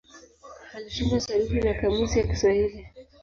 Alitunga sarufi na kamusi ya Kiswahili.